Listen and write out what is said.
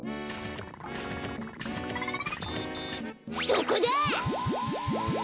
そこだ！